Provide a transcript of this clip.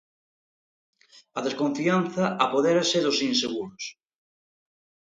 A desconfianza apodérase dos inseguros.